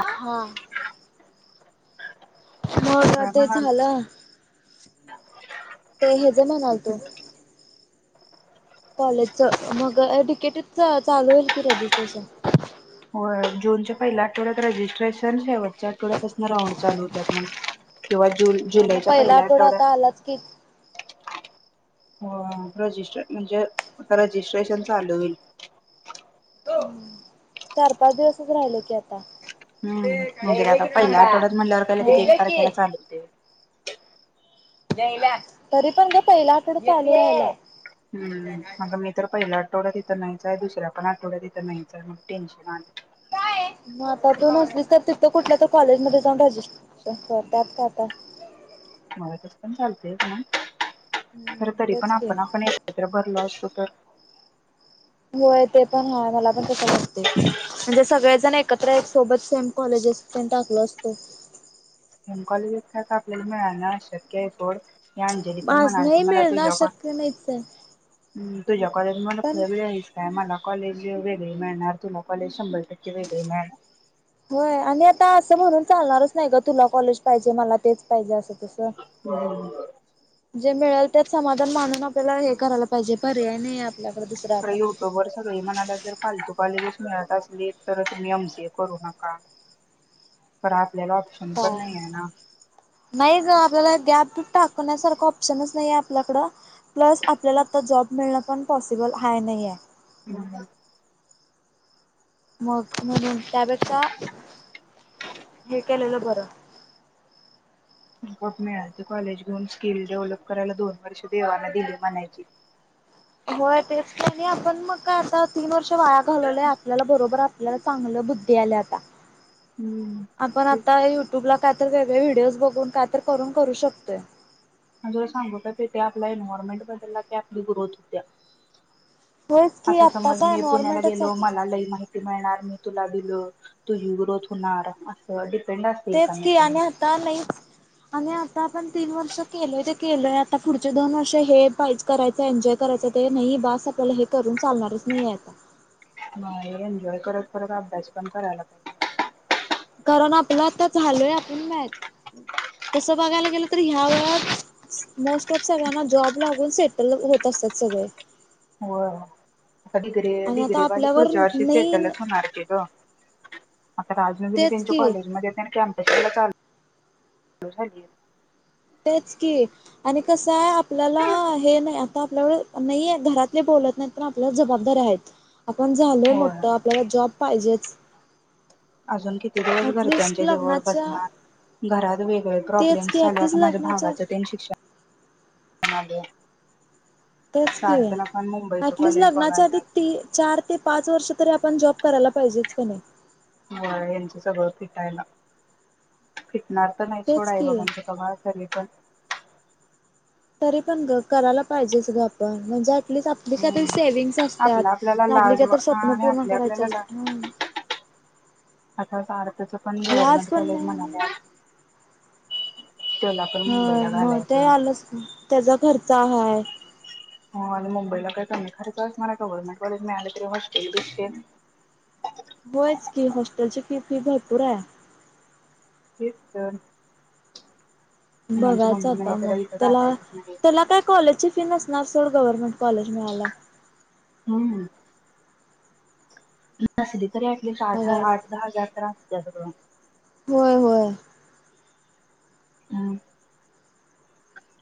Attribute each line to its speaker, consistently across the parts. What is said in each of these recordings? Speaker 1: हा मग
Speaker 2: काय
Speaker 1: ते
Speaker 2: म्हणाल?
Speaker 1: झालं ते हेज म्हणालतो मी कॉलेजच, मग तिकीटच चालू होईल की रजिस्ट्रेशन?
Speaker 2: अं जूनच्या पहिल्या आठवड्यात रजिस्ट्रेशन शेवटच्या आठवड्यापासन राऊंड चालू होत्यात म्हण किंवा जु
Speaker 1: ह मग
Speaker 2: जुलैच्या
Speaker 1: पहिला आठवडा आता आलाच की
Speaker 2: हो रजिस्ट् म्हणजे आ रजिस्ट्रेशन चालू होईल
Speaker 1: चार पाच दिवसच राहिले की आता
Speaker 2: हम्म म्हणजे
Speaker 1: यायले
Speaker 2: आता
Speaker 1: की
Speaker 2: पहिल्या
Speaker 1: थांबा
Speaker 2: आठवड्यात म्हणल्यावर काय लगेच एक
Speaker 1: यायले की
Speaker 2: तारखेला चालू होतय व्हय
Speaker 1: तरी पण ग पहिल्या आठवडा चालू व्हायलाय
Speaker 2: हम्म आता मिश्र तर पहिला आठवड्यात इत इथ नाहीच हाय दुसऱ्या पण आठवड्यात इथ नाहीच हाय मग टेन्शन आलय
Speaker 1: काय आहे [unintelligible] आता तू नसलीस तर तिथं कुठल्या तर कॉलेजमध्ये जाऊन रजिस्ट्रेशन कर त्यात काय आता
Speaker 2: मला तस पण चालतय प न खर
Speaker 1: हम्म
Speaker 2: तरी पण
Speaker 1: तेच की
Speaker 2: आपण आपण एकत्र भरलो अस डोक्यावर
Speaker 1: होय ते पण हा मला पण तसं वाटते म्हणजे सगळेजण एकत्र सोबत सेम कॉलेजेस प टाकलो असतो
Speaker 2: एम कॉलेज काय आपल्याला मिळना अशक्य आहे सोड फ्ट
Speaker 1: माज नाही मिळन अशक्य नाहीचय
Speaker 2: हम् तुज्या कॉलेज मला खुळीबिळी आहेस काय मला कॉलेज वेगवेगळी मिळणार तुला कॉलेज शंभर टक्के वेगळी मिळणार
Speaker 1: होय आणि आता असं म्हणून चालणारच नाही ग तुला कॉलेज पाहिजे मला तेच पाहिजे असं तसं.
Speaker 2: ह [unintelligible]
Speaker 1: जे मिळेल त्यात समाधान मानून आपल्याला हे करायला प पाहिजे पर्याय नाही आपल्याकडे दुसरा आता
Speaker 2: कॉलेजस मिळत असली तर तुम्ही एम सी ए करू नका तर आ
Speaker 1: का नाही ग आपल्याला द्यात टाकण्यासारखा ऑप्शनच नाही आपल्याकडं प्लस आपल्याला आता जॉब मिळणार पण पॉसिबल हाय नाहीे हाय
Speaker 2: [unintelligible]
Speaker 1: मग म्हणून त्यापेक्षा हे केलेलं बरं
Speaker 2: गप मिळाल ते कॉलेज घेऊन स्किल डेव्हलप करायला दोन वर्ष देवाला दिली म्हणायची
Speaker 1: होय तेच की नी आपण मग काय आता तीन वर्ष वाया घालवल्याय आपल्याला बरोबर आपल्याला चांगल्या बुद्धी आल्यात
Speaker 2: हम्म.
Speaker 1: [inaudible] आपण
Speaker 2: तेच
Speaker 1: आता युट्यूब ला का तर वेगळे व्हिडिओज बघून काय तरी करून करू शकतोय
Speaker 2: तुला [unintelligible] सांगत होते की ते आपला एनव्हायरमेंट बदलला की आपली ग्रोथ होतीया
Speaker 1: होयच
Speaker 2: आस
Speaker 1: की
Speaker 2: समज
Speaker 1: आत्ताचा
Speaker 2: मी पुण्याला गेलो
Speaker 1: एन्व्हायरमेंटच
Speaker 2: मला लई माहिती मिळणार मी तुला दिल ग्रोथ तुझी ग्रोथ होणार आस
Speaker 1: तेच की आणि आता नाहीच आणि आता आपण तीन वर्ष केलोय ते केलय आता पुढचे दोन वर्ष हे पा करायचं एन्जॉय करायच ते नाही बस आपल्याला हे करून चालणारच नाही आता
Speaker 2: नाही एन्जॉय करत खरत अभ्यास पण करायला पाहिजे
Speaker 1: कारण आपलं आ तर झालय आपण नाही तसं बघायला गेलं तर ह्या वेळात मोस्ट ऑफ सगळ्यांना जॉब लागून सेटल होत असतात सगळे
Speaker 2: होय आता डिग्री
Speaker 1: आणि आता
Speaker 2: डिग्री वाली
Speaker 1: आपल्यावर
Speaker 2: पुढच्या वर्षी
Speaker 1: नाही
Speaker 2: सेटलच होणार की ग आता राजनंदनी
Speaker 1: तेच
Speaker 2: त्यांच्या
Speaker 1: की
Speaker 2: कॉलेजमध्ये तेन कणी [unintelligible]
Speaker 1: तेच की आणि कसं आहे आपल्याला हे नाही ते आपल्या नाही घरातले बोलत नाही तर आपल्या जबाबदारी आहेत आपण झालोय
Speaker 2: होय
Speaker 1: मोठं आपल्याला जॉब पाहिजेच
Speaker 2: अजून किती दिवस
Speaker 1: ऍटलिस्ट
Speaker 2: घरच्यांच्या जीवावर
Speaker 1: लग्नाच्या
Speaker 2: बसणार घरात बी होय
Speaker 1: तेच
Speaker 2: प्रॉब्लेमस
Speaker 1: की
Speaker 2: आलेत
Speaker 1: ऍटलिस्ट
Speaker 2: आता माझ्या
Speaker 1: लग्नाच्या
Speaker 2: भावाची तेन शिक्षण [inaudible]
Speaker 1: तेच की
Speaker 2: सार्थला पण मुंबईचं
Speaker 1: अटलिस्ट
Speaker 2: कॉलेज
Speaker 1: लग्नाच्या
Speaker 2: बघायला
Speaker 1: आधी चार ते पाच वर्ष तरी आपण जॉब करायला पाहिजेच का नाही
Speaker 2: हो यांच सगळं फिटायला नात नाही सोड
Speaker 1: तेच
Speaker 2: आई
Speaker 1: की
Speaker 2: बाबांसाठी कबळसाठीचं का?
Speaker 1: तरी पण ग करायला पाहिजे स ग आपण म्हणजे आपलीच आपली कात
Speaker 2: हम्म
Speaker 1: सेविंग्स
Speaker 2: आपला आपल्याला
Speaker 1: असतात आपली
Speaker 2: लाज
Speaker 1: का तर स्वप्न
Speaker 2: आणि
Speaker 1: पूर्ण
Speaker 2: आपल्या
Speaker 1: करायची
Speaker 2: आपल्याला ला
Speaker 1: असतात
Speaker 2: आता भारताच पण
Speaker 1: लाज
Speaker 2: गव्हर्नमेंट
Speaker 1: पण
Speaker 2: कॉलेज
Speaker 1: नाही आणि
Speaker 2: म्हणाले
Speaker 1: ह मग ते
Speaker 2: घालायचं
Speaker 1: आलं ण त्याचा खर्च हाय
Speaker 2: हा आणि मुंबईला काय कमी खर्च असणार आहे गव्हर्नमेंट कॉलेज मिळालं तरी हॉस्टेल बिस्टेल
Speaker 1: होयच की हॉस्टेलची फी फी भरपूर आहे.
Speaker 2: तेच तर आणि आमची
Speaker 1: बघायच
Speaker 2: मम्मी नाही
Speaker 1: आता मग
Speaker 2: इथं
Speaker 1: त्याला
Speaker 2: घालायचंच नाही
Speaker 1: त्याला काय कॉलेजची ती नसणार सोड गव्हर्मेंट कॉलेज मिळाला.
Speaker 2: हम्म [inaudible] तरी ॲटटिस्ट आठ
Speaker 1: बघाय
Speaker 2: आठ दहा दहा अकरा [unintelligible]
Speaker 1: होय होय.
Speaker 2: हं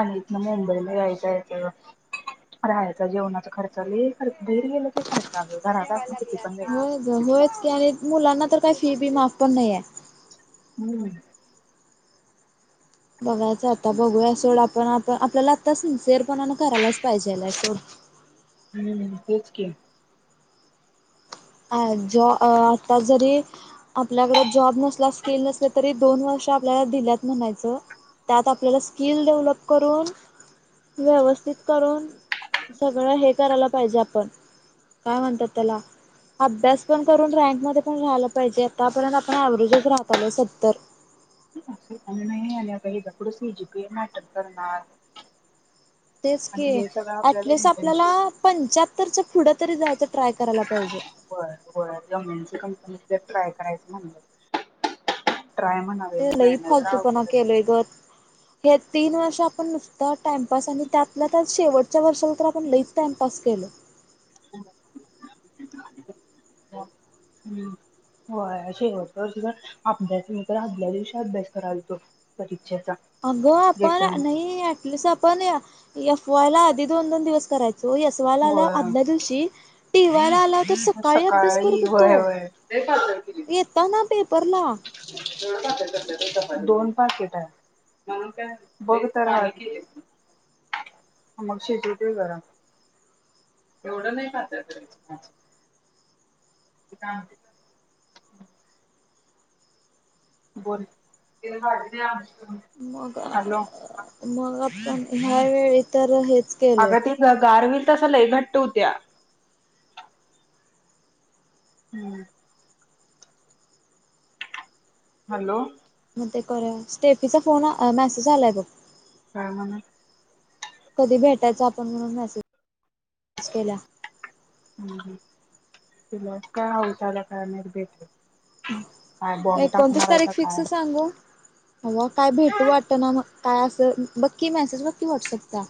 Speaker 2: आणि इथन मुंबईला यायचं जायचं राहायचं जेवणाचा खर्च लय खर्च [unintelligible] घरात असण किती पण वेगळ
Speaker 1: होय ग होयच की आणि मुलांना तर काय फी बी माफ पण नाहीये.
Speaker 2: [inaudible]
Speaker 1: बघायचं आता बघूया सोड आपण आप आपल्याला आता सिन्सिअर पणान करायलाच पाहिजेलाय सोड
Speaker 2: हं तेच की
Speaker 1: अ जॉ आता जरी आपल्याकडे जॉब नसला स्किल नसल तरी दोन वर्ष आपल्याला दिल्यात म्हणायचं त्यात आपल्याला स्किल डेव्हलप करून व्यवस्थित करून सगळं हे करायला पाहिजे आपण काय म्हणतात त्याला अभ्यास पण करून रँकमध्ये पण राहिला पाहिजे आतापर्यंत आपण ऍव्हरेज राहताले सत्तर
Speaker 2: [unintelligible] नाटक करणार
Speaker 1: तेच क
Speaker 2: आणि हे सगळं आपल्याला
Speaker 1: ॲटलस आपल्याला
Speaker 2: इंटर्नशिप
Speaker 1: पंच्याहत्तरच फुड तरी जायचं ट्राय
Speaker 2: होय होय
Speaker 1: करायला पाहिजे.
Speaker 2: [unintelligible] पण एकदा ट्राय करायचं म्हणल तर
Speaker 1: ते लय फालतू पणा केेलय ग हे तीन वर्ष आपण नुसत टाइमपास आणि त्यातला त्यात शेवट च्या वर्षाला तर आपण लईच टाइमपास केल.
Speaker 2: आहे हम्म होय शेवट तर आपल्याच तर आदल्या दिवशी अभ्यास करालतो तरी
Speaker 1: अगं आपण नाही ऍटलिस्ट आपण एफ वाय ला आधी दोन दोन दिवस करायच सो एस वाय ला आल्यावर
Speaker 2: होय
Speaker 1: आदल्या दिवशी टी वाय ला आल्या
Speaker 2: सकाळी व्हय व्हय
Speaker 1: येताना पेपरला
Speaker 2: दोन टाक इथं बघ तर आहे की मग शेतीतील जरा एवढं नाही पातळ करायच [inaudible] बोल
Speaker 1: [inaudible] मगा
Speaker 2: हॅलो.
Speaker 1: मग आ [inaudible] पण ह्या वेळ तर हे
Speaker 2: अग त गारविल तस घट्ट होत्या हम्म हॅलो
Speaker 1: मग ते कर स्टेफीचा फोन मेसेज आलाय बघ
Speaker 2: काय म्हणून?
Speaker 1: कधी भेटायच आपण म्हणून मेसेज केल्या
Speaker 2: हम् तिला काय हौस आल्या काय माहीत भेटायची काय बॉम्ब
Speaker 1: एकोणतीस
Speaker 2: टाकणार आहे
Speaker 1: तारीख
Speaker 2: का
Speaker 1: फिक्स
Speaker 2: काय
Speaker 1: सांगू? अ काय भेटू वाटत ना मग काय असं बघ की मेसेज बघ व्हॉट्सअपला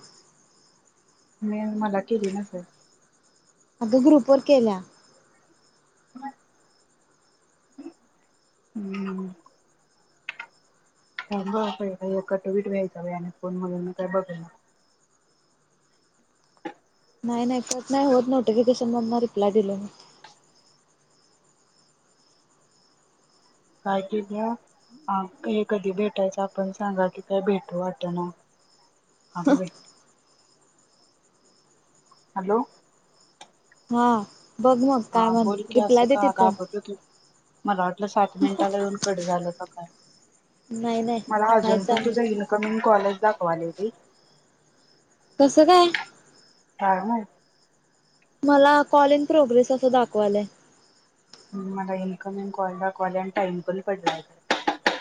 Speaker 2: मे मला केली मेसेज
Speaker 1: अगं ग्रुप वर केल्या
Speaker 2: [unintelligible] हम्म! थांब ह पहिला हे कटविट व्यायचं बाई आणि फोन म्हणून म काय बघा ना
Speaker 1: नाही नाही कट नाही होत नोटिफिकेशन मधन रिप्लाय दिलोय मी
Speaker 2: काय केल्या आ ये कधी भेटायचं आपण सांगा की काय भेटू वाट ना अगं बाई हॅलो!
Speaker 1: हा बघ मग काय
Speaker 2: हा
Speaker 1: मग
Speaker 2: बोल की असं
Speaker 1: रिप्लाय दे
Speaker 2: का
Speaker 1: तिथं
Speaker 2: घाबरलो की मला वाटलं सात मिनिटाला येऊन कट झालं का काय?
Speaker 1: नाही नाही
Speaker 2: मला
Speaker 1: हाय
Speaker 2: अजून पण
Speaker 1: चालू
Speaker 2: तुझा इनकमिंग कॉल खवलंय बाई
Speaker 1: कसं काय?
Speaker 2: काय माहित
Speaker 1: मला कॉल प्रोग्रेस असं दाखवालाय
Speaker 2: मला इनकमिंग कॉल दाकवाले आणि टाइम पण पडलाय खरं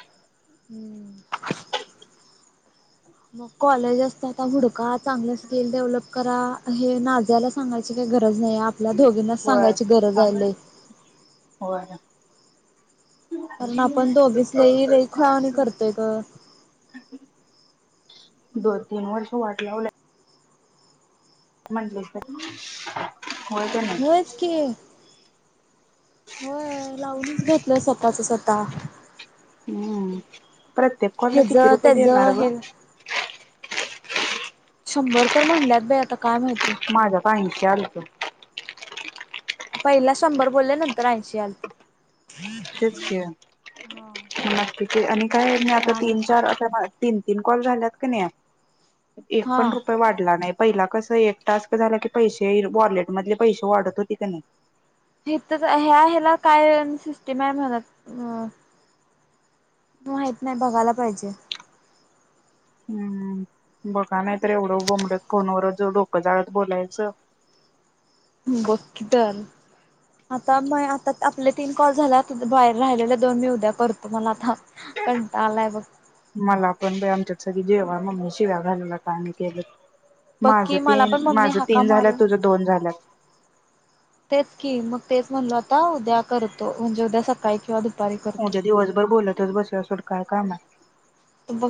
Speaker 1: मग कॉलेज असता हुडका, चांगलं स्किल डेव्हलप करा हे नाजियाला सांगायची काही गरज नाही आ आपल्या दोघीनाच
Speaker 2: होय
Speaker 1: सांगायची गरज हाय
Speaker 2: थांब रे.
Speaker 1: लई
Speaker 2: होय
Speaker 1: कारण आपण दोघीच लई लई खुळ्यावानी करतोय गं
Speaker 2: दोन-तीन वर्ष वाट लावलं म्हणटलेस
Speaker 1: होयच कि होय लावूनच घेतलंय स्वतःच स्वतः त्ता
Speaker 2: हम प्रत्येक कॉल ला
Speaker 1: हेज
Speaker 2: किती रुपय
Speaker 1: त्याज
Speaker 2: देणार गं?
Speaker 1: हे शंभर तर म्हणल्यात अभे आता काय माहिती?
Speaker 2: हे आणतो
Speaker 1: पहिला शंभर बोलले नंतर ऐंशी आलतं
Speaker 2: तेच की बाकी ते आणि काय मी आता
Speaker 1: काय म्हण
Speaker 2: तीन चार अशा तीन तीन कॉल झाल्यात का नाही? एक
Speaker 1: हा
Speaker 2: पण रुपय वाढला नाही पहिला कसं एक टास्क झाला की पैशे एल वॉलेट मधले पैशे वाढत होती काय नाही?
Speaker 1: हे इथंच हाय ह्या ह्याला काय सिस्टीम आहे म्हणत माहित नाही बघायला पाहिजे.
Speaker 2: हम्म बघा नाही तर एवढं बोंबलत फोनवरच डोकं जाळत बोलायचं
Speaker 1: बघ की तर आता मय आता आपले तीन कॉल झाल्यात तुझ बाहेर राहिलेले दोन मी उद्या करतो मला आता कंटाळा आलाय बघ
Speaker 2: मला पण बाई आमच्यात चल जेवा मम्मी शिव्या घालल आणि गेलत
Speaker 1: बक्की मला पण मम्मी हाका मारून
Speaker 2: तुझं दोन झाल्यात
Speaker 1: तेच की मग तेच म्हणलो आत् ता उद्या करतो म्हणजे उद्या सकाळी किंवा दुप्
Speaker 2: उद्या दिवसभर बोलत तच बसुया सोड काय काम हाय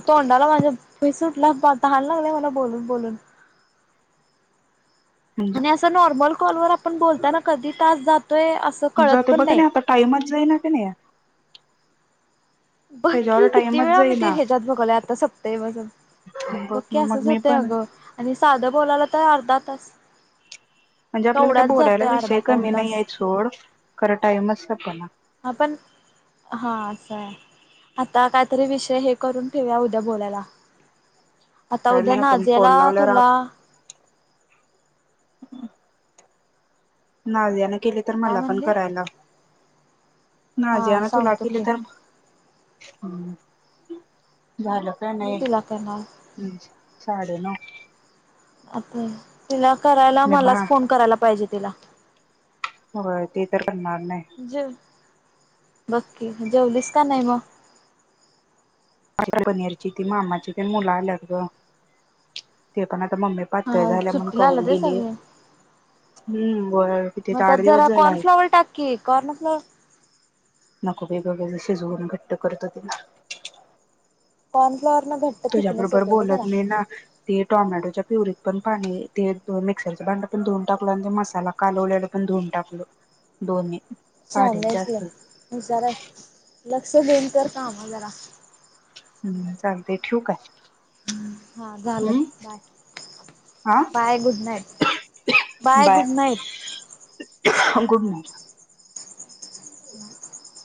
Speaker 1: तोंडाला माझ्या फेस सुटलाय तहान लागलीया मला बोलून बोलून आणि
Speaker 2: म्हणजे
Speaker 1: असं नॉर्मल कॉल वर आपण बोलताना कधी तास जात्
Speaker 2: जाती बघ की नाही आता टाइमच जाईना कनी
Speaker 1: बग की किती वेळा आम्ही ते
Speaker 2: जाईना
Speaker 1: हेज्यात बघायलोय आता सपतंय म सप् बग
Speaker 2: बघ
Speaker 1: की
Speaker 2: मग
Speaker 1: असंच
Speaker 2: मी
Speaker 1: होतय
Speaker 2: पण
Speaker 1: अगं आणि साधं बोलायला तर अर्धात तस
Speaker 2: म्हणजे आपल्याला काय बोलायला विषय कमी
Speaker 1: तास
Speaker 2: नाहीएत सोड खरं टाईमच सपना
Speaker 1: हा पण हा असं हाय आता काहीतरी विषय हे करून ठेवया उद्या बोलायला आता
Speaker 2: काय
Speaker 1: उद्या
Speaker 2: नाही आपण
Speaker 1: नाजिया ला
Speaker 2: फोन लावल्यावर आप
Speaker 1: तुला
Speaker 2: [unintelligible] नाव्याने केली तर
Speaker 1: काय
Speaker 2: मला पण
Speaker 1: म्हणले?
Speaker 2: करायला लाव
Speaker 1: हा
Speaker 2: नाजियाना तूला
Speaker 1: सांगतो
Speaker 2: केली
Speaker 1: की
Speaker 2: तर हंअ झालं काय
Speaker 1: मी तिला करणार
Speaker 2: नाही? साडे नऊ
Speaker 1: आता तिला करायला
Speaker 2: मी भा
Speaker 1: मलाच फोन करायला पाहिजे. तिला
Speaker 2: होय ते तर करणार नाय.
Speaker 1: बग की जेवलीस का नाही म
Speaker 2: पनीरची ती मामाची ते न मुलं आल्यात ग ते पण आत त मम्मी पातळ
Speaker 1: हा
Speaker 2: झाल्या म्हणून
Speaker 1: सुट्टीला आलं
Speaker 2: खाऊन
Speaker 1: ते
Speaker 2: गेली.
Speaker 1: सगळे
Speaker 2: हम्म व किती
Speaker 1: मग त्यात
Speaker 2: आठ दिवस
Speaker 1: जरा
Speaker 2: झाला आहे.
Speaker 1: कॉर्नफ्लॉवर टाक की कॉर्नफ्लॉवर
Speaker 2: नको बाई ग जसे शिज‌उन घट्ट करत होते ना.
Speaker 1: पण
Speaker 2: तुझ्या बरोबर बोलत नाय ना ते टॉमॅटोच्या प्युरी पण पाणी ते मिक्सरचं भांड पण धुवून टाकलं आणि ते मसाला कालवल्याल पण धुवून टाकलो दोन्ही पाण्यात
Speaker 1: सांगायचं
Speaker 2: जास्त
Speaker 1: विचारयचं लक्ष देेऊन कर काम जरा
Speaker 2: हम्म चालतय ठेऊ काय?
Speaker 1: हा झालं
Speaker 2: हम्म
Speaker 1: बाय
Speaker 2: हा
Speaker 1: bye good night bye good night.
Speaker 2: Good night
Speaker 1: [unintelligible]